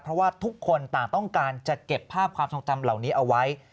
เพราะว่าทุกคนต่างต้องการจะเก็บภาพความทรงจำเหล่านี้เอาไว้